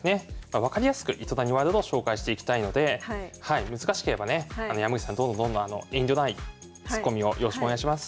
分かりやすく糸谷ワールドを紹介していきたいので難しければね山口さんどんどんどんどん遠慮ないツッコミをよろしくお願いします。